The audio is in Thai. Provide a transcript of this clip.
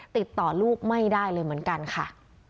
ติดต่อลูกไม่ได้เลยเหมือนกันค่ะ